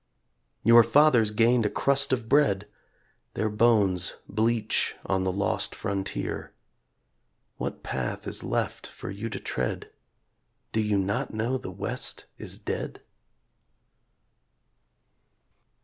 Your fathers gained a crust of bread, Their bones bleach on the lost frontier; What path is left for you to tread Do you not know the West is dead?